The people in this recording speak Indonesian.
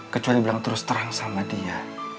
kecuali bilang terus terang sama dia